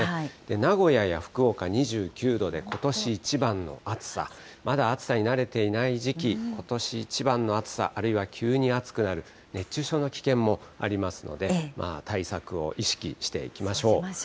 名古屋や福岡２９度で、ことし一番の暑さ、まだ暑さに慣れていない時期、ことし一番の暑さ、あるいは急に暑くなる、熱中症の危険もありますので、対策を意識していきましょう。